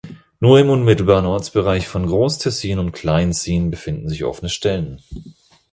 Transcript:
Nur im unmittelbaren Ortsbereich von Groß Tessin und Klein Sien befinden sich offene Stellen.